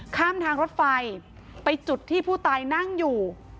ข้ามทางรถไฟไปจุดที่ผู้ตายนั่งอยู่